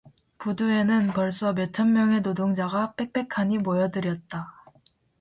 부두에는 벌써 몇천 명의 노동자가 빽빽하니 모여들었다.